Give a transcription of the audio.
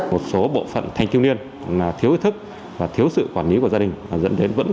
một số bộ phận thanh thiếu niên là thiếu ý thức và thiếu sự quản lý của gia đình